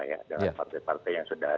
dan dengan partai partai yang sudah